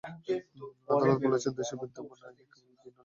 আদালত বলেছেন, দেশের বিদ্যমান আইনে কেবল ভিন্ন লিঙ্গের মধ্যেই বিয়ে বৈধ।